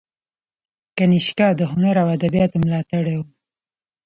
کنیشکا د هنر او ادبیاتو ملاتړی و